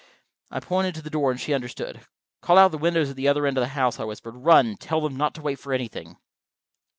I pointed to the door, and she understood. "Call out the windows at the other end of the house," I whispered. "Run. Tell them not to wait for anything."